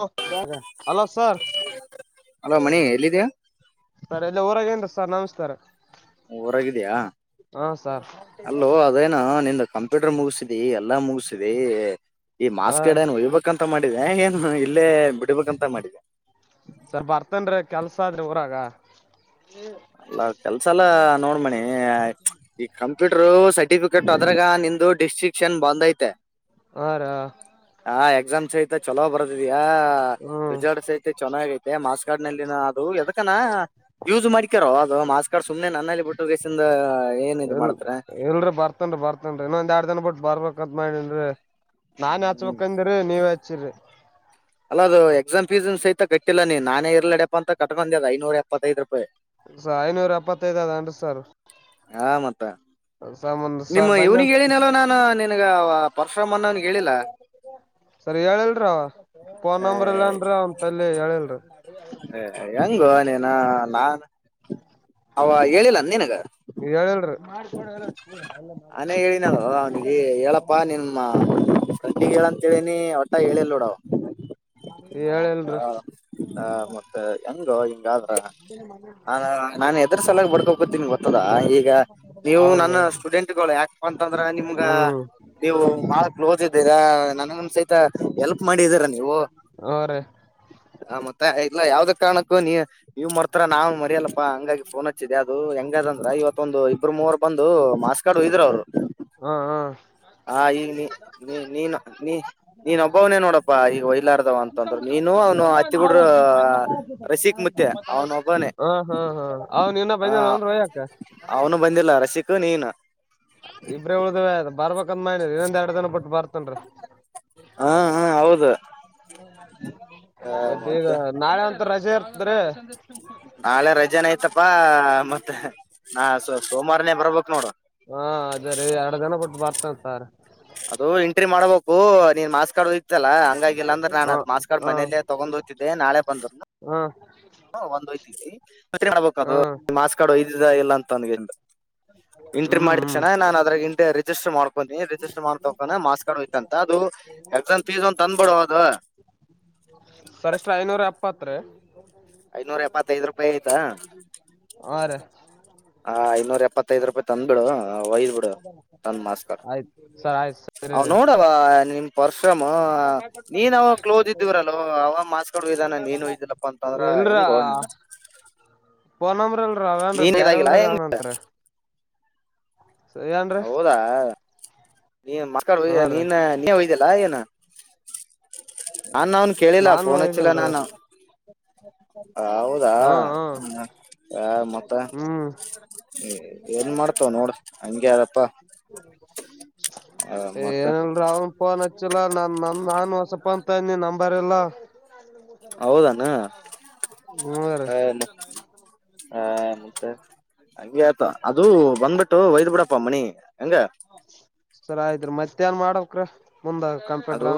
[unintelligible] Hello sir. Hello [inaudible] sir ಎಲ್ಲಿ ಊರಾಗ ಇದೀರಿ ಸರ್ ನಮಸ್ತಾರ. ಊರಾಗ ಇದೀಯಾ ಸರ್ ಅಲ್ಲೋ ಅದೇನೊ ನಿಂದ ಕಂಪ್ಯೂಟರ್ ಮುಗಸಿದಿ ಎಲ್ಲಾ ಮುಗಸಿದಿ ಈ ಹ ಮಾರ್ಕ್ಸ್ಕಾರ್ಡ್ನ್ ಒಯ್ಬೇಕಂತ ಮಾಡಿದೆ ಏನು ಇಲ್ಲೇ ಬಿಡ್ಬೇಕಂತ ಮಾಡಿದೆ ಸರ್ ಬರ್ತೀನ್ರಿ ಕೆಲ್ಸ ಅದರಿ ಊರಾಗ ಅಲ್ಲ ಕೆಲ್ಸ ಎಲ್ಲ ನೋಡ್ಮಣಿ ಈ ಕಂಪ್ಯೂಟರು ಸರ್ಟಿಫಿಕ ಕೆಟ್ ಅದ್ರಾಗ ನಿಂದು ಡಿಸ್ಟ್ರಿಕ್ಷನ್ ಬಂದೆತಿ. ಹಾ ರಿ ಹಾ. ಹಾ ಎಕ್ಸಾಮ್ಸ್ ಸಹಿತ ಚಲೋ ಬರ್ದಿದ್ಯಾ ಹ್ಮ್ ರಿಸಲ್ಟ್ಸ್ ಐತೆ ಚೆನ್ನಾಗೈತೆ ಮಾರ್ಕ್ಸ್ ಕಾಡ್ನಲ್ಲಿ. ಅದು ಎದಕನ ಯೂಸ್ ಮಾಡ್ಕ್ಯಾರೋ ಅದು ಮಾರ್ಕ್ಸ್ ಕಾರ್ಡ್ ಸುಮ್ನೆ ನನ್ನಲ್ಲಿ ಬಿಟ್ಟು ಗೇಸಿಂದ ಏನ್ ಇದು ಇಲ್ ಮಾಡ್ತಾರೆ ಇಲ್ರಿ ಬರ್ತನ್ರಿ ಬರ್ತನ್ರಿ ಇನ್ನೊಂದ್ ಎರಡ್ ದಿನ ಬಿಟ್ಟ ಬರ್ಬೇಕತ್ ಮಾಡನ್ರಿ ನಾನೇ ಹ್ಮ್ ಹಚ್ಚಬೇಕೆಂದ್ರಿ ನೀವೇ ಹಚ್ಚಿರಿ. ಅಲ್ಲ ಅದು ಎಕ್ಸಾಮ್ ಫೀಸನ್ ಸಹಿತ ಕಟ್ಟಿಲ್ಲ ನೀನ್ ನಾನೇ ಇರ್ಲಡ್ಯಪ್ಪ ಅಂತ ಕಟ್ಕೊಂಡಿದಿಲ್ಲ ಐನೂರ ಎಪ್ಪತ್ತೈದು ರೂಪಾಯಿ. ಸರ ಐನೂರ ಎಪ್ಪತ್ತೈಐದ್ ಅದ ಏನ್ರಿ ಸರ್. ಹ ಮತ್ತ. ಸಾಮನ್ ನಿಮ್ಮ ಸರ್ ಬಂದನ್ ಇವ್ನಿಗೆ ಹೇಳಿನಲ್ಲೋ ನಾನ ನಿನ್ಗ ಪರಶುರಾಮಅನ್ನಾವಗ ಹೇಳಿಲ್ಲ. ಸರಿ ಹೇಳಿಲ್ಲರಿ ಅವ ಫೋನ್ ನಂಬರ್ ಇಲ್ಲಏನ್ರ ಅವನ್ ತಲ್ಲಿ ಹೇಳಿಲ್ರಿ. ಏ ಹೆಂಗೋ ನೀನು ನಾನ್ ಅವ ಹೇಳಿಲ್ಲಆನ ನಿನಗ. ಹೇಳಿಲ್ಲರಿ. ಆನ್ಯಗ ಹೇಳಿನಲ್ಲೋ ಅವನಿಗೆ ಹೇಳಪ್ಪ ನಿನ್ ಅವ್ನಿಗೆ ಹೇಳ ಅಂತ ಹೇಳಿನಿ ಒಟ್ಟ ಹೇಳಿಲ್ಲ ನೋಡ ಅವ. ಹೇಳಿಲ್ರಿ. ಹ ಮತ್ತ ಹೆಂಗೋ ಹಿಂಗಾದ್ರ. ಹ ನಾನ್ ಎದ್ರ ಸಲುವಾಗಿ ಬಡ್ಕೊಕತ್ತೆನಿ ಗೊತ್ತದ ಈಗ ನೀವು ನನ್ನ ಹೌದೌದು ಸ್ಟೂಡೆಂಟ್ಗಳು ಯಾಕಪ್ಪ ಅಂತಂದ್ರ ನಿಮ್ಗ ಹ್ಮ್ ನೀವು ಬಹಳ ಕ್ಲೋಸ್ ಇದ್ದೀರಾ ನನಗೂ ಸಹಿತ ಎಲ್ಪ್ ಮಾಡಿದೀರ. ನೀವ್ ಅ ರೀ ಹ ಮತ್ತೆ ಇಲ್ಲಾ ಯಾವ್ದ್ ಕಾರಣಕ್ಕೂ ನೀ ನೀವ್ ಮರ್ತಾರ ನಾನ್ ಮರಿಯಲ್ಲಪ್ಪಾ ಹಂಗಾಗಿ ಪೋನ್ ಹಚ್ಚಿದೆ ಅದು ಹೆಂಗ ಯಂದ್ರೆ ಇವತ್ತೊಂದು ಇಬ್ಬರು ಮೂವರ್ ಬಂದು ಮಾಸ್ಕಾಡು ಹೊಯ್ದರು ಅವರು ಹ್ಮ್ ಹ್ಮ್ ಹ ಈಗ ನೀ ನೀ ನೀನು ನೀ ನೀನೊಬ್ಬ ನೋಡಪ್ಪಾ ಈಗ ಹೊಯ್ಲಾರ್ದವ ಅಂತಂದ್ರ ನೀನು ಅವನು ಹತ್ತಿಗೂಡ ರಶೀಕ್ ಮತ್ತೆ ಅವನು ಒಬ್ಬಾನೆ ಹಾ ಹಾ ಹಾ ಅವ್ನ್ ಇನ್ನ ಹ ಬಂದಿಲ್ಲನ್ರಿ ಒಯ್ಯಾಕ ಅವನು ಬಂದಿಲ್ಲ ರಸಿಕೂ ನೀನು ಇಬ್ಬರೆ ಉಳ್ದ್ವ ಬರ್ಬೇಕಂದ್ ಮಡ್ವಿ ಇನ್ನೊಂದು ಎರಡು ದಿನ ಬಿಟ್ಟು ಬರ್ತ ತಿನ್ರೀ ಹಾ ಹಾ ಹೌದು ಆ ಮತ್ತೆ ಮತ್ತ ಈಗ ನಾಳೆ ಅಂತರ್ ರಜೆ ಇರ್ತ್ರೀ ನಾಳೆ ರಜೆನ ಆಐ್ತಪ್ಪಾ ಮತ್ತೆ ನಾ ಸ ಸೋಮವಾರನೇ ಬರ್ಬೇಕ್ ನೋಡು ಹಾ ಅದೇ ರೀ ಎರಡು ದಿನ ಬಿಟ್ಟು ಬರ್ತಂತಾರೆ ತರಿ ಅದು ಎಂಟ್ರಿ ಮಾಡ್ಬೇಕು ನೀನ್ ಮಾಸ್ಕ್ ಕಾರ್ಡ್ ಇತ್ತಲ್ಲ ಹಂಗಾಗಿಲ್ಲ ಅಂದ್ರೆ ನಾನ ಹಾ ಅದ್ ಮಾರ್ಕ್ಸ ಕಾರ್ಡ್ ಹಾ ಮನೇಲ್ಲೇ ತಗೊಂಡ ಹೋಗತ್ತೀದ್ದೆ ನಾಳೆ ಬಂದು ಹಾ ಹ ಒಂದ್ ಐತಿ ಇಲ್ಲಿ ಹಾ ಮತ್ತೆ ಮಾಕ್ಸ್ ಕಾರ್ಡ್ ಇಲ್ಲ ಅಂತಂದೆ ಎಂಟ್ರಿ ಹ್ಮ್ ಮಾಡಿ ಹ್ಮ್ ಕ್ಷಣ ನಾನ್ ಇಂದೆ ರಿಜಿಸ್ಟರ್ ಮಾಡ್ಕೊನಿ ಮಾಡ್ತಕಾನ ಮಾಸ್ಕ್ ಕಾರ್ಡ್ ಒಯ್ತಾಂತ ಅಂತ ಅದು ಎಕ್ಸಾಮ್ ಫೀಸ್ ಒಂದ್ ತಂದ್ಬಿಡು ಅದು ಸರಿಷ್ಟ್ ಐನೂರ ಎಪ್ಪತ್ತು ರೀ ಐನೂರ ಎಪ್ಪತ್ತೈದ್ ರೂಪಾಯಿ ಐತಾ ಹ ರೀ ಹ ಇನ್ನೂರು ಎಪ್ಪತ್ತೈದ್ ರೂಪಾಯಿ ತಂದ್ಬಿಡು ಆ ವೈದ್ ಬಿಡು ತಂದು ಮಾಕ್ಸ್ ಕಾರ್ಡ್ ಆಯ್ತ್ ಸರ್ ಆಯ್ತ್ ಸರಿ ಅವನ ರೀ ನೋಡವ ನಿಮ್ ಪರ್ಪುಮೂ ಹ ನೀನ್ ಅವಾಗ ಕ್ಲೋಸ್ ಇದ್ದೀವ್ರಲ್ವ ಅವಾಗ ಮಾರ್ಕ್ಸ್ ಕಾರ್ಡ್ ಹೈದಾನ ನೀನು ಇದ್ದಿಲ್ಲಪ್ಪಾ ಅಂತಂದ್ರ ಹೆಂಗೊ ನೀನು [unintelligible] ಪೋನ್ ನಂಬರ್ ಅಲ್ಲೆ ಅವೇನ್ ರೀ ಬೇರೆ ಊರಗ ಅವನತ್ರಿ ಹೌದಾ ನೀ ಮಕ್ಕಳು ಯ ಹಾ ರೀ ನೀನ್ ನೀ ಹೊಯ್ದಲ್ಲಾ ಏನು ನಾನ್ ಅವನು ಕೇಳಿಲ್ಲ ನಾನು ಪೋನ್ ಹಚ್ಚಿಲ್ಲ ಇದಲ್ರಿ ನಾನು ಹೌದಾ ಹಾ ಹಾ ಆ ಮತ್ತ ಹ್ಮ್ ಏನ್ ಮಾಡ್ತನ್ ನೋಡು ಹಂಗೆ ಯಾಪ್ಪಾ ಏನ್ ಇಲ್ರೀ ಅವನು ಪೋನ್ ಚಲೋ ನಾನ್ ನಾನು ಹೊಸ ಪೋನ್ ತನ್ನಿ ನಂಬರ್ ಇಲ್ಲಾ ಹೌದಾನೂ ಹ್ಮ ರೀ ಹೆ ಹಾ ಮತ್ತೆ ಹಾಗೆ ಅದು ಬಂದ್ಬಿಟ್ಟು ಒಯದ್ ಬಿಡಪ ಮಣಿ ಹೆಂಗ್ ಸರಿ ಆಯ್ತ್ ರೀ ಮತ್ತೆ ಏನ್ ಮಾಡಬೇಕ್ರೀ ಅದು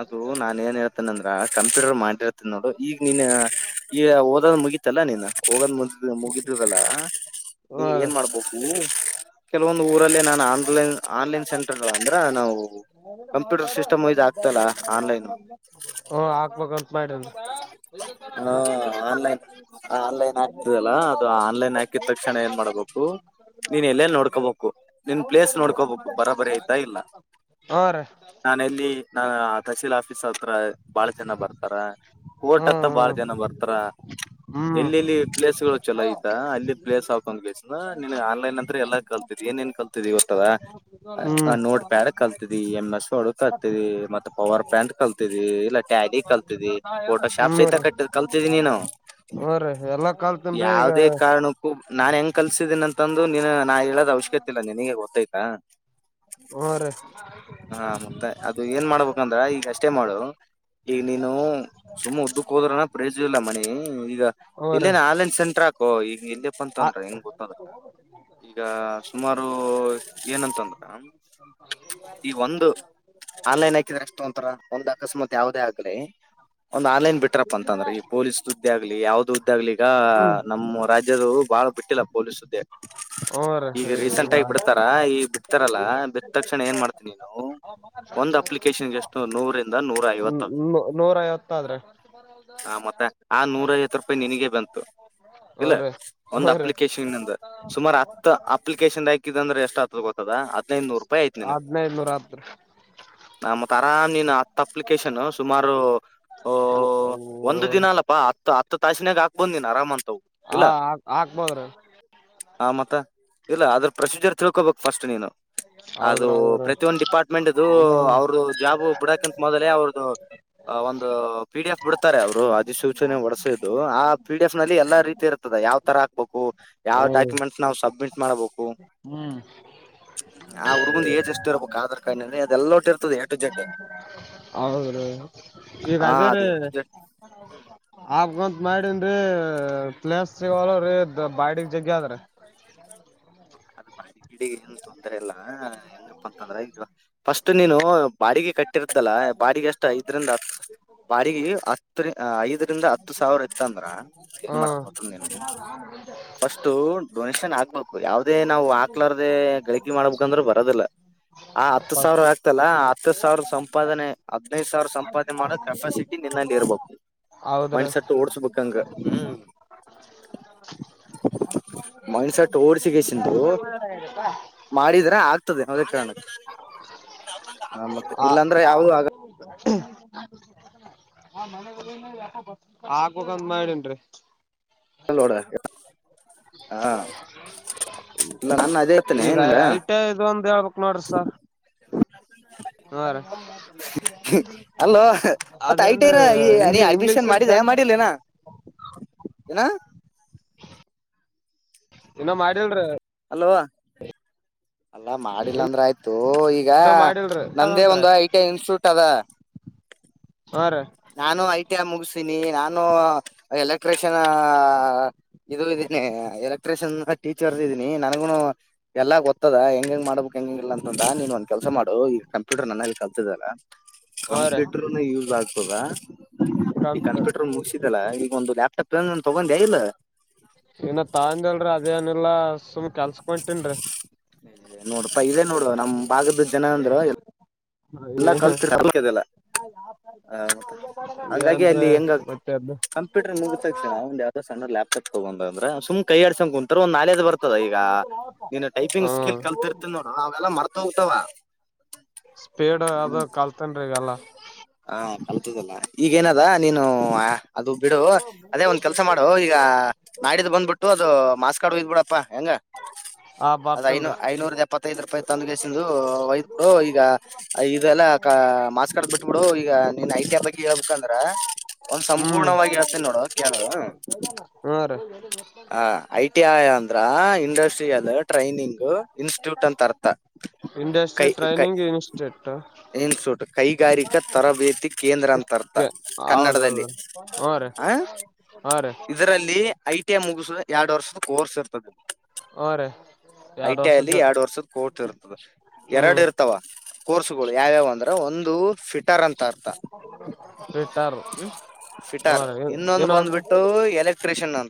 ಅದು ನಾನ್ ಏನ್ ಹೇಳ್ತೀನಿ ಅಂದ್ರೆ ಕಂಸಿಡರ್ ಮಾಡಿರ ನೋಡು ಈಗ ನೀನ್ ಈಗ ಓದ್ ಮುಗಿತಲ್ಲಾ ನೀನ್ ಹೋಗದ ಮುಗಿದ್ ಮುಗಿದಲ್ಲ ಹ್ಮ ನೀ ರೀ ಏನ್ ಮಾಡ್ಬೇಕು ಕೆಲವೊಂದು ಊರಲ್ಲೇ ನಾನು ಆನ್ಲೈನ್ ಆನ್ಲೈನ್ ಸೆಂಟರ್ ಗಳು ಅಂದ್ರೆ ನಾವು ಕಂಪ್ಯೂಟರ್ ಸಿಸ್ಟಮ್ ಇದು ಆಗ್ತಲ್ಲ ಆನ್ಲೈನ್ ಹು ಹಾಕ್ಬೇಕಂತ್ ಮಾಡಿನಿ ಐದು ಹ ಮತ್ತೆ ಮುಂದ ಆನ್ಲೈನ್ ಆನ್ಲೈನ್ ಒಂದ್ [unintelligible] ಮಾಡಬೇಕು ಒರಿಜಿನಲ್ ಮತ್ತ ಕು ನಿನ್ ಪ್ಲೇಸ್ ನೋಡ್ಕೋಬೇಕು ಬರ ಬರಿ ಆಯ್ತ ಇಲ್ಲ ಹಾ ರೀ ನಾನ್ ಎಲ್ಲಿ ಆ ತಹಸೀಲ್ ಆಫೀಸ್ ಹತ್ರ ಬಾಳ ಜನ ಬರ್ತಾರ ಕೋರ್ಟ್ ಹತ್ತ ಬಾಳ ಹ್ಮ್ ಜನ ಬರ್ತಾರ ಹ್ಮ್ ಎಲ್ಲಿಲ್ಲಿ ಪ್ಲೇಸ್ಗಳು ಚಲೋ ಐತ ಅಲ್ಲಿ ಪ್ಲೇಸ್ ಆ ಒಂದ್ಸ ನಿನ್ಗ್ ಆನ್ಲೈನ್ ಅಂತ್ರ ಎಲ್ಲಿ ಕಲ್ತಿದ್ ಏನ್ ಏನ್ ಕಲ್ತಿದ್ ಈ ಇತ್ತದ ಹ್ಮ್ ಹ್ಮ್ ನೋಡ್ ಬ್ಯಾರೆ ಕಲ್ತದಿ ಎಮ್ ಎಸ್ ವಾರ್ಡ್ ಕಲ್ತದಿ ಮತ್ತೆ ಪವರ್ ಪ್ಯಾಂಟ್ ಕಲ್ತದಿ ಇಲ್ಲ ಟ್ಯಾಡಿ ಕಲ್ತದಿ ಫೋಟೋ ಶಾಪ್ ಹ್ಮ್ ಸಹಿತ ರೀ ಕಟ್ಟ ಕಲ್ತಿದೀನಿ ನ ಹ್ಮ ರೀ ಎಲ್ಲಾ ಕಲ್ತನ್ರಿ ಈಗ ಯಾವದೇ ಕಾರಣಕ್ಕೂ ನಾನ್ ಹೆಂಗ್ ಕಲ್ಸಿದ್ದೀನಿ ಅಂತಂದು ನೀನ್ ನಾ ಹೇಳೋದ ಅವಶ್ಯಕತೆ ಇಲ್ಲ ನಿನಗೆ ಗೊತ್ತಾಯ್ತಾ ಬರು ಹಾ ಮತ್ತ ಅದು ಏನ್ ಮಾಡ್ಬೇಕಂದ್ರ ಈಗ ಅಷ್ಟೇ ಮಾಡು ಈಗ ನೀನು ತುಂಬಾ ಉಡ್ಡಕ್ ಹೋದ್ರನ ಪ್ರೇಜಿಲ್ಲ ಮನೆ ಈಗ ಹ್ಮ ರೀ ಎಲ್ಲೇನ ಆಲಿನ್ ಸೆಂಟರ್ ಹಾಕೋ ಈಗ ಎಲ್ಯಪ ಅಂತಂದ್ರ ಹೆಂಗ ಗೊತ್ತದ್ರ ಈಗ ಸುಮಾರು ಏನಂತಂದ್ರ ಈ ಒಂದು ಆನ್ಲೈನ್ ಹಾಕಿದ್ರ ಎಷ್ಟ ತಗೋತಾರ ಒಂದ್ ಅಕಸ್ಮಾತ್ ಯಾವದೇ ಆಗ್ಲಿ ಒಂದ್ ಆನ್ಲೈನ್ ಬಿಟ್ರಪ್ಪ ಅಂತ ಅಂದ್ರೆ ಈ ಪೊಲೀಸ್ ಉುದ್ದೆ ಆಗ್ಲಿ ಯಾವ್ದ ಹದ್ದ ಆಗ್ಲಿ ಈಗ ನಮ್ಮ ರಾಜ್ಯದ ಬಹಳ ಬಿಟ್ಟಿಲ್ಲ ಪೊಲೀಸ್ ಹ್ಮ ರೀ ಈಗ ರೀಸೆಂಟ್ ಆಗಿ ಬಿಡ್ತಾರ ಈಗ ಬಿಡ್ತಾರಲ್ಲ ಬಿಟ್ಟ ತಕ್ಷಣ ಏನ್ ಮಾಡ್ತೀನಿ ನೀನು ಒಂದು ಅಪ್ಲಿಕೇಶನ್ಗೆಷ್ಟು ನೂರಿಂದ ನೂರ ಐವತ್ತು ಹೌದ್ರಿ ಹ ಮತ್ತ ಆ ನೂರೈಐವತ್ತು ರೂಪಾಯಿ ನಿನಗೆ ಬಂತು ಹ್ಮ ಇಲ್ಲ ರೀ ಹ್ಮ ಒಂದ್ ರೀ ಅಪ್ಲಿಕೇಶನ್ಂದ ಸುಮಾರು ಹತ್ತು ಅಪ್ಲಿಕೇಶನ್ ಆಯಕ್ ಅಂದ್ರೆ ಎಷ್ಟ್ ಆಗುತ್ತ ಗೊತ್ ತ್ತದ ಹದ್ನೈದುನೂರು ರೂಪಾಯಿ ಆಯ್ತು ನಿನಗ್ ಹದ್ನೈದನೂರ ಹತ್ರಿ ನ ಮತ್ ಆರಾಮ್ ನೀನು ಹತ್ ಅಪ್ಲಿಕೇಶನ್ ಸುಮಾರು ಓ ಒಂದು ದಿನ ಅಲ್ಲಪಾ ಹತ್ತು ಹತ್ತು ತಾಸಿನಾಗ ಹಾಕ್ ಬೋದು ನೀನು ಆರಾಮ ಅಂತವು ಹ ಇಲ್ಲ ಹಾಕ್ಬೋದ್ರಿ ಇಲ್ಲ ಅದ್ರು ಪ್ರೊಸೀಜರ್ ತಿಳ್ಕೋಬೇಕು ಫಸ್ಟ್ ನೀನು ಅದು ಹೌದ್ರ ಹೌದ್ರ ಪ್ರತಿಯೊಂದು ಡಿಪಾರ್ಟ್ಮೆಂಟ್ದು ಹ್ಮ್ ಅವ್ರದು ಜಾಬ್ ಬಿಡಕಂತ ಮೊದಲೇ ಅವ್ರ್ದ ಹ ಒಂದು ಪಿ ಡಿ ಎಫ್ ಬಿಡ್ತಾರೆ ಅವ್ರು ಅಧಿಸೂಚನೆ ಒಡಸಿದ್ದು ಆ ಪಿ ಡಿ ಎಫ್ ನಲ್ಲಿ ಎಲ್ಲಾ ರೀತಿ ಇರ್ತದೆ ಯಾವ್ ತರ ಹಾಕ್ಬೇಕು ಯಾವ ಡಾಕುಮೆಂಟ್ಸ್ ನಾವ್ ಸಬ್ಮಿಟ್ ಮಾಡ್ಬೇಕು ಹ್ಮ್ ಇ ಇರ್ಬೇಕು ಆಧಾರ್ ಕಾರ್ಡ್ನನಲ್ಲಿ ಅದೆಲ್ಲವೋಟು ಇರ್ತದ ಎ ಟು ಝೆಡ್ ಹೌದ್ರೀ ಈಗ ಅದೇ ರೀ ಅದು ಎ ಟು ಜೆಡ್ ಆಬಂತ ಮಾಡನ್ರೀ ಪ್ಲೇಸ್ ಸಿಗವಲುವ್ರಿ ಬಾಡಗ್ ಜಗ್ಗ ಆದರಿ [inaudible] ಬಿಡಿ ಏನ್ ತೊಂದರೆ ಇಲ್ಲ ಏಂಗಪ್ಪಾ ಅಂತಂದ್ರೆ ಫಸ್ಟ್ ನೀನು ಬಾಡಿಗೆ ಕಟ್ಟಿ ಿತಲ್ಲ ಬಾಡಿಗೆ ಅಷ್ಟು ಐದರಿಂದ ಹ ಬಾಡಿಗೆ ಹ ಐದ ಹತ್ತು ಸಾವಿರ ಇತ್ತ ಅಂದ್ರ ಏನ್ ಮಾಡಾಕ್ ಗೊತ್ತದ ಹ್ಮ ನೀನು ಫರ್ಸ್ಟ್ ಡೊನೇಷನ್ ಆಗ್ಬೇಕು ಯಾವ್ಡ್ ನಾವು ಹಾಕ್ಲಾರದೆ ಗಳಿಕೆ ಮಾಡ್ಬೇಕಂದ್ರೆ ಬರದಿಲ್ಲ ಆ ಹತ್ತು ಸಾವಿರ ಆಕ್ತಲ ಹ ಆ ಹತ್ತು ಸಾವಿರ ಸಂಪಾದನೆ ಹದಿನೈದು ಸಾವಿರ ಸಂಪಾದನೆ ಮಾಡೋ ಕೆಪಾಸಿಟಿ ನಿನ್ನಲ್ಲಿ ಇರ್ಬೇಕು ಹೌದ್ರಿ ಮಿಂಡ್ಸೆಟ್ ಓಡ್ಸ್ಬೇಕ್ ಅಂಗ ಹ್ಮ್ ಮಿಂಡ್ಸೆಟ್ ಓಡ್ಸಿಗೆಸಿಂದ ಮಾಡಿದ್ರ ಆಗ್ತದೆ ಯಾವುದೇ ಕಾರಣಕ್ಕ ಹ ಮತ್ತೆ ಇಲ್ಲಾಂದ್ರೆ ಯಾವ್ದು ಆಗ ಹ್ಮ ಆಗ್ಬೇಕಂತ್ ಮಾಡನ್ರಿ ಹ ಇಲ್ಲ ಅದೇ ಇರ್ತೇನೆ ಈಗ ನಿನ್ಗ ಐಟ ಇದು ಒಂದು ಹೇಳ್ಬೇಕಕ್ ನೋಡ್ರಿ ಸರ್ [inaudible] ಹ ರಿ ಅಲ್ಲೋ ಮತ್ತ ಅದೇನ್ರಿ ಐಟಿರ ಈ ನೀ ಇಂಗ್ಲಿ ಅಡ್ಮಿಷನ್ ಇಂಗ್ಲಿಷ್ರ್ನ್ ಇರುತ್ ಮಾಡಿದೆ ಏನ್ರೀ ಮಾಡಿಲ್ಲೇನಾ ಏನ ಇನ್ನ ಮಾಡಿಲ್ರಿ ಹಲವಾ ಅಲ್ಲಾ ಮಾಡಿಲ್ಲ ಅಂದ್ರ ಆಯ್ತು ಈಗ ಇನ್ನ ಮಾಡಿಲ್ರಿ ನಂದೇ ಅದಂತ್ರಿ ಒಂದು ಐ ಟಿ ಇನ್ಸ್ಟಿಟ್ಯೂಟ್ ಅದ ಹಾ ರೀ ನಾನು ಐ ಟಿ ಆ ಮುಗಿಸಿನಿ ನಾನು ಎಲೆಕ್ಟ್ರಿಷನ್ ಇದರದೇನೆ ಇರ ನ್ ಟೀಚರ್ ಇದಿನನಿ ನನ್ಗು ಎಲ್ಲಾ ಗೊತ್ತದ ಹೆಂಗ ಮಾಡ್ಬೇಕು ಹೆಂಗ ಇಲ್ಲ ಅಂತ ತಾ ನೀನ್ ಒಂದ್ ಕೆಲಸ ಮಾಡು ಈ ಕಂಪ್ಯೂಟರ್ ನನಲ್ಲಿ ಕಲ್ತಿದ್ದೆಲ್ಲ ಹಾ ರೀ ಕಂಪ್ಯೂಟರ್ ನು ಯೂಸ್ ಆಗ್ ದಾ ಈ ಕಂತ್ ಕಂಪ್ಯೂಟರ್ ಮುಗಸಿದಲ್ಲಾ ಈಗ ಒಂದು ಲ್ಯಾಪ್ಟಾಪ್ ಏನನ್ ತಗೊಂಡ್ಯಾ ಇಲ್ಲ ಏನ ತಾ ಅಂದ್ನೆಲ್ರಿ ಅದೇನಿಲ್ಲಾ ಸುಮ್ ಕೆಲ್ಸಕ್ ಹೊಂಟೇನ್ರಿ ನೋಡಪ್ಪಾ ಇದೇ ನೋಡುವ ನಮ್ಮ್ ಭಾಗದ ಜನ ಅಂದ್ರ ಎ ಎಲ್ಲ ಕಲ್ತಿಲ್ಲ [unintelligible] ಹಾ ಮತ್ತ ಹಂಗಾಗಿ ಅಲ್ಲಿ ಏನ್ರೀ ಹೆಂಗ ಆಗ್ತ ಮತ್ತೆ ಅದ ಕಂಪ್ಯೂಟರ್ ಮುಗಿದ ತಕ್ಷಣ ಅವ ಯಾವ್ದೋ ಸಣ್ಣ ಲ್ಯಾಪ್ ಕತಗೊಂಡ ಅಂದ್ರ ಸುಮ್ ಕೈ ಆಡ್ಸಂದ್ ಕುಂ ತ್ರ ಒಂದ ನಾಲೇಜ್ ಬರ್ತದ ಈಗ ನೀನ್ ಟೈಪಿಂಗ್ ಹ್ಮ ಸ್ಕಿಲ್ ಕಲ್ತಿರ್ತಿದಿ ನೋಡು ಅವೆಲ್ಲ ಮರ ತೋಗ್ತವಾ. ಪೇಡ ಅದ ಕಲ್ತನ್ರೀಗೆಲ್ಲ. ತದಲ್ಲ ಈಗೇನದ ನೀನು ಅ ಅದು ಬಿಡು ಅದೇ ಒಂದ್ ಕೆಲಸ ಮಾಡು ಈಗ ನಾಡಿದು ಬಂದ್ಬಿಟ್ಟು ಅದು ಮಾಸ್ಕ್ ಆಡ ವೈದ್ ಬಿಡಪ್ಪಾ ಹೆಂಗ ಹ ಆ ಅದ್ ಐನೂ ಬರ್ತನ್ರಿ ಐನೂರ್ದೆಪ್ಪತ್ತೈದ್ ರೂಪಾಯಿ ತಂದಗೆಸಂದು ಒಯದ್ ಬಿಡು ಈಗ ಇದೆಲ್ಲಾ ಕ ಮಾಸ್ಕ್ ಕಾಡದ ಬಿಟ್ಬಿಡು ಈಗ ನೀನ್ ಐ ಟಿ ಐ ಬಗ್ಗೆ ಹೇಳ್ಬೇಕ ಅಂದ್ರ ಒಂದು ಹ್ಮ್ ಸಂಪೂರ್ಣವಾಗಿ ಹೇಳ್ತೀನಿ ಕೇಳು ಹ್ಮ ರೀ ಅ ಐ ಟಿ ಐ ಅಂದ್ರ ಇಂಡಸ್ಟ್ರಿ ಟ್ರೈನಿಂಗ್ ಇನ್ಸ್ಟಿಟ್ಯೂಟ್ ಅಂತ ಅರ್ಥ ಕೈ ಇಂಡಸ್ಟ್ರಿ ಕೈ ಟ್ರೈನಿಂಗ್ ಇನ್ಸ್ಟಿಟ್ಯೂಟ್ ಇನ್ಸ್ಟಿಟ್ಯೂಟ್ ಕೈಗಾರಿಕಾ ತರಬೇತಿ ಕೇಂದ್ರ ಅಂತರ್ಥ ಕನ್ನಡದಲ್ಲಿ. ಹ ಆ ರ ಇದರಲ್ಲಿ ಐ ಟಿ ಐ ಮುಗಸುದ ಎರಡು ವರ್ಷದ ಕೋರ್ಸ್ ಇರ್ತದೆ. ಹ ರೇ ಐ ಟಿ ಐ ಅಲ್ಲಿ ಎರಡು ವರ್ಷದ ಕೋರ್ತ ಇರ್ತದ ಎರಡು ಹ್ಮ್ ಇರ್ತಾವ ಕೋರ್ಸ್ಗಳು. ಯಾವ್ಯಾವ ಅಂದ್ರ ಒಂದು ಫಿಟರ್ ಅಂತ ಅರ್ಥ. ಪಿಟ್ಟಾರ್ ಹ್ಮ್ ಹ ಫಿಟಾರ್ ಇನ್ನೊಂದು ಬಂದ್ಬಿಟ್ಟು ಎಲೆಕ್ಟ್ರಿಷಿಯನ್ಂತ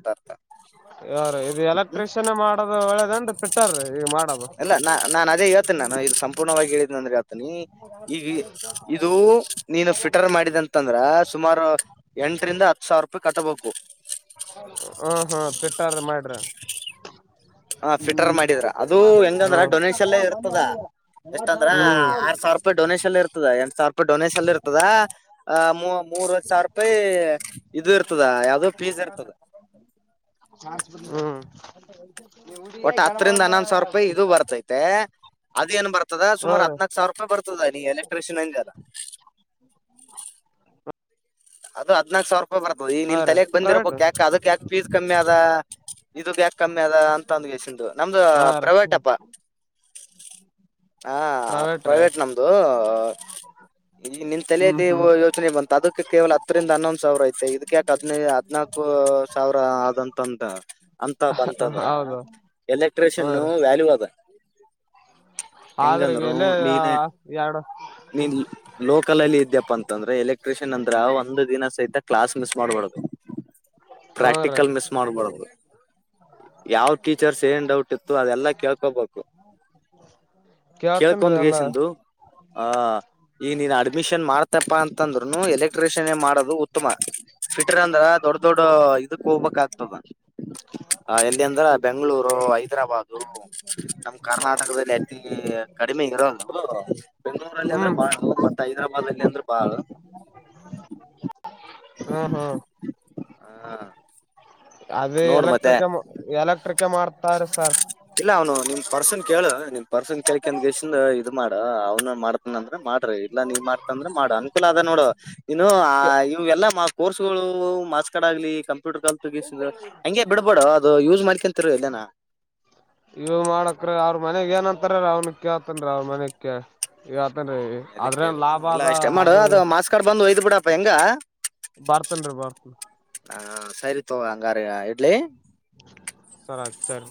ಯಾರು ಇದು ಎಲೆಕ್ಟ್ರಿಷಿಯನ್ ಮಾಡುದು ಒಳ್ಳೇದೇನ್ರಿ. ಅಲ್ಲ ನಾ ನಾನ್ ಅದೇ ಹೇಳತೀನಿ ನಾನು ಇದು ಸಂಪೂರ್ಣವಾಗಿ ಹೇಳಿದನ ಅಂದ್ರ ಹೇಳತಿನಿ ಈಗ ಇದು ನೀನು ಫಿಟರ್ ಮಾಡಿದ ಅಂತಂದ್ರ ಸುಮಾರು ಎಂಟರಿಂದ ಹತ್ತು ಸಾವಿರ ರೂಪಾಯಿ ಕಟ್ಟಬಕು. ಹ ಹಾ ಪಿಟ್ಟಾರ ಮಾಡ್ರ [inaudible] ಹ ಫಿಟರ್ ಮಾಡಿದ್ರ ಅದು ಹೆಂಗಂದ್ರ ಹ್ಮ್ ಡೊನೇಷಲ್ಲ ಇರ್ತದ ಎಷ್ಟ ಅಂದ್ರ ಹ್ಮ್ ಆರ್ ಸಾವಿರ ರೂಪಾಯಿ ಡೊನೇಷಲ್ಲ್ ಇರ್ತದ ಎಂಟ್ ಸಾವಿರೂಪಾಯಿ ಡೊನೇಷಲ್ ಇರ್ತದ ಅ ಇರ್ತದ ಯಾವ್ದೋ ಫೀಸ್ [inaudible] ಇರ್ತದ ಹ್ಮ್ ಒಟ್ಟ ಹತ್ತರಿಂದ ಹನ್ನೊಂದ್ ಸಾವಿರ ರೂಪಾಯಿ ಇದು ಬರ್ತೈತೆ. ಅದ ಏನ್ ಬರ್ತದ ಹಾ ಸುಮಾರು ರೀ ಹದನಾಕ್ ಸಾವಿರ ರೂಪಾಯಿ ಬರ್ತದ ನೀ ಎಲೆಕ್ಟ್ರಿಷಿಯನ್ ಅಂದೆಲ. [inaudible] ಅದು ಹದ್ನಾಕ್ ಸಾವಿರ ರೂಪಾಯಿ ಬರತದ ಈಗ್ ಹಾ ನಿನ್ ರೀ ತಲೆಕ್ ಪ್ರೈವೇಟ್ ಬಂದಿರಬೋಕ್ ಯಾಕ ಅದಕ್ ಯಾಕಕ್ ಫೀಸ್ ಕಮ್ಮಿ ಆದ. ಇದು ಬ್ಯಾಕ್ ಕಮ್ಮಿ ಅದ ಅಂತ ಒಂದ್ಗೆಸುಂದ ನಮ್ದು ಹಾ ರೀ ಪ್ರೈವೇಟಪ್ಪ. ಹ ಪ್ರೈವೇಟ್ ನಮ್ದು ಈಗ ನಿನ್ ಹ್ಮ್ ತಲೆಯಲ್ಲಿ ಹ್ಮ್ ವ ಯೋಚನೆ ಬಂತು ಅದ ಕ ಕೇವಲ ಹತ್ತರಿಂದ ಹನ್ನೊಂದ್ ಸಾವಿರ ಐತೆ ಇದಕ್ಯಾಕ ಹದ್ನೈ ಹದ್ನಾಕು ಸಾವಿರ ಆದಂತಂದ ಅಂತ ಬಂತಂದ್ರ ಹೌದು ಹ್ಮ ಎಲೆಕ್ಟ್ರಿಷಿಯನ್ ರೀ ವ್ಯಾಲ್ಯೂ ಅದ. ಆದ್ರ ಎಂಗಂದರೂ ಎಲ್ಲ ನೀನ ಎರಡು ನೀನ್ ಲ್ ಲೋಕಲ್ ಅಲ್ಲಿ ಇದ್ಯಪ್ಪಾ ಅಂತಂದ್ರೆ ಎಲೆಕ್ ಏನಂದ್ರ ಒಂದು ದಿನ ಸಹಿತ ಕ್ಲಾಸ್ ಮಿಸ್ ಮಾಡ್ಬಾಡ್ದು. ಹ್ಮ ರೀ ಪ್ರಾಕ್ಟಿಕಲ್ ಮಿಸ್ ಮಾಡ್ಬಾರದು. ಯಾವ ಟೀಚರ್ಸ್ ಏನ್ ಡೌಟ್ ಇತ್ತು ಅದೆಲ್ಲಾ ಕೇಳ್ಕೋಬೇಕು. ಕೇಳ್ತನ್ರಿ ಎಲ್ಲ ಕೇಳ್ಕಂದ್ಗೆಸಂದು ಆ ಈ ನೀನ್ ಅಡ್ಮಿಷನ್ ಮಾಡ್ತಪ್ಪಾ ಅಂತಂದ್ರುನು ಎಲೆಕ್ಟ್ರಿಷಿಯನ್ ಮಾಡದು ಉತ್ತಮ ಫಿಟ್ರ ಅಂದ್ರ ದೊಡ್ ದೊಡ್ ಇದಕ್ ಹೋಗ್ಬೇಕ ಆಗ್ತದ ಎಲ್ಲಿ ಅಂದ್ರ ಬೆಂಗಳೂರು ಹೈದ್ರಾಬಾದ್ ಹ ನಮ್ ಕರ್ನಾಟಕದಲ್ಲಿ ಅತಿ ಕಡಿಮೆಗರೋ ಬೆಂಗಳೂರಲ್ಲಿ ಹ್ಮ ಅಂದ್ರೆ ಬಾಳಟ್ಟ ಹೈದರಾಬಾದ ಅಲ್ಲಿ ಅಂದ್ರೆ ಬಾಳ ಹ್ಮ ಹ್ಮ ಹಾ ಅದ ಎಲೆಕ್ಟ್ರಿಕ ಎಲೆಕ್ಟ್ರಿಕ ಮಾಡ್ತಾರ ಇಲ್ಲ ಅವನು ನಿಮ್ ಪರ್ಸನ್ ಕೇಳ ನಿಮ್ ಪರ್ಸನ್ ಕಂದ ಇದು ಮಾಡ ಅವ್ನು ಮಾಡ್ತಾನ ಅಂದ್ರ ಮಾಡ ಇಲ್ಲಾ ನೀ ಮಾಡ್ತ ಅಂದ್ರೆ ಮಾಡ ಅನುಕೂಲ ಅದ ನೋಡು ಇನ್ನು ಇವ್ಗೆಲ್ಲ ಕೋರ್ಸ್ ಗಳು ಮಾಸ್ ಕಡ ಆಗ್ಲಿ ಕಂ ಕಲ್ ತಗ ಹಂಗೆ ಬಿಡ್ಬೇಡ ಅದು ಯೂಸ್ ಮಾಡ್ಕೊಂತಿರ ಇಲ್ಲೇನ ಇವ ಮಾಡಕ್ರ ಅವ್ರ ಮನೆಗ್ ಏನಂತಾರ ಅವ್ನ ಕೇಳ್ತನ್ ಅವ್ರ ಮನಯಕ್ಕೆ ಇವತ್ತೇನ್ ಅವ್ರ ಮನೇಲಿ ಅದ್ರೇನ್ ಕೇಳು ಲಾಭ ಇಲ್ಲ ಅದ ಇಷ್ಟೇ ಮಾಡು ಅದು ಮಾರ್ಕ್ಸ್ ಕಾರ್ಡ್ ಬಂದು ಯ್ ಬಿಡಪ್ಪ ಹೆಂಗ ಬರ್ತನ್ರಿ ಬರ್ತನ್ ಹಾ ಸರಿತ ಅಂಗಾರ ಎಟ್ ಸರತ್ ಸರ್